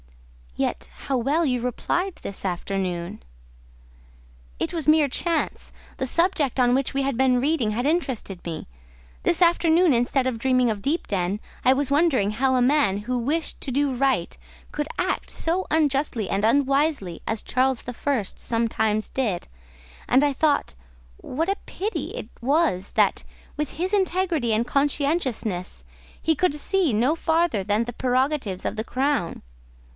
"Yet how well you replied this afternoon." "It was mere chance; the subject on which we had been reading had interested me. This afternoon, instead of dreaming of Deepden, I was wondering how a man who wished to do right could act so unjustly and unwisely as Charles the First sometimes did; and I thought what a pity it was that, with his integrity and conscientiousness, he could see no farther than the prerogatives of the crown.